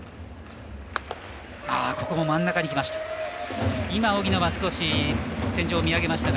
ここも真ん中にきました。